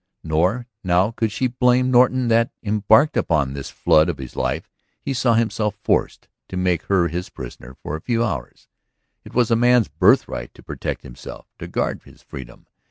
Nor now could she blame Norton that, embarked upon this flood of his life, he saw himself forced to make her his prisoner for a few hours. It was a man's birthright to protect himself, to guard his freedom.